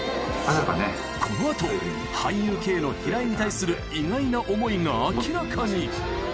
このあと、俳優Ｋの平井に対する意外な思いが明らかに。